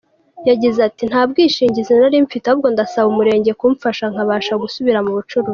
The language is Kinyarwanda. Yagize ati “Nta bwishingizi nari mfite ahubwo ndasaba umurenge kumfasha nkabasha gusubira mu bucuruzi.